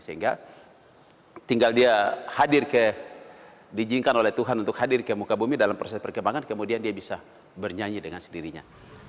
sehingga tinggal dia hadir ke diizinkan oleh tuhan untuk hadir ke muka bumi dalam proses perkembangan kemudian dia bisa bernyanyi dengan sendirinya